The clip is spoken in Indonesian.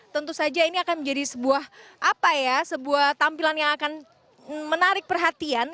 tentu saja ini akan menjadi sebuah tampilan yang akan menarik perhatian